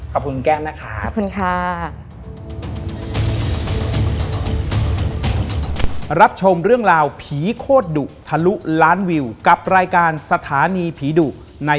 ขอบคุณแก้มนะครับค่ะค่ะ